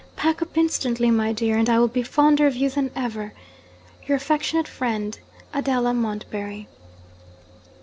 Pack up instantly, my dear, and I will be fonder of you than ever. Your affectionate friend, Adela Montbarry.'